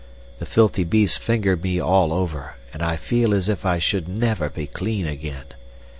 The filthy beasts fingered me all over, and I feel as if I should never be clean again.